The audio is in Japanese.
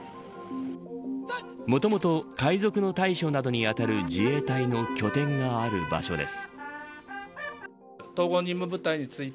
もともと海賊の対処などに当たる自衛隊の拠点がある場所です。